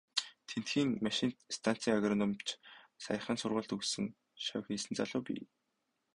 Тэндхийн машинт станцын агрономич, саяхан сургууль төгссөн шавхийсэн залуу бий.